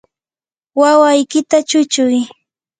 wawaykita chuchuy.